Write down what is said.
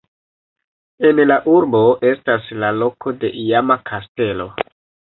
En la urbo estas la loko de iama kastelo.